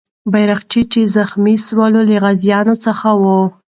بیرغچی چې زخمي سو، له غازیانو څخه و.